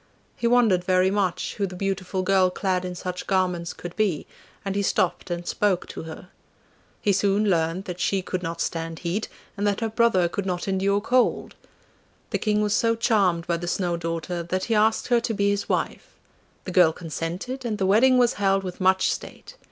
He wondered very much who the beautiful girl clad in such garments could be, and he stopped and spoke to her. He soon learnt that she could not stand heat, and that her brother could not endure cold. The King was so charmed by the Snow daughter, that he asked her to be his wife. The girl consented, and the wedding was held with much state.